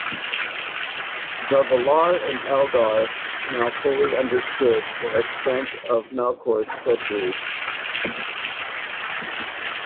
The Valar and Eldar now fully understood the extent of Melkor's treachery.